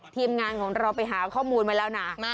ทีมงานของเราไปหาข้อมูลมาแล้วนะ